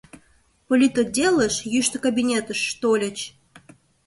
Политотделыш, йӱштӧ кабинетыш, тольыч.